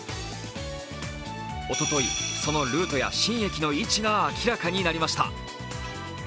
おととい、そのルートや新駅の位置が明らかになりました。